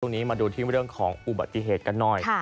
มาดูที่เรื่องของอุบัติเหตุกันหน่อย